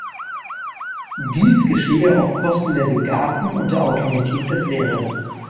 Dies geschehe auf Kosten der Begabten und der Autorität des Lehrers.